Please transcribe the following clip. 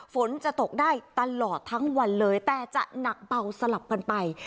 ฝนจะตกได้ตลอดทั้งวันเลยแต่จะหนักเบาสลับกันไป